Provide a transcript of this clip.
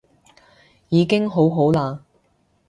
已經好好啦